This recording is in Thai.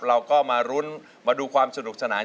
เราก็มารุ้นมาดูความสนุกสนาน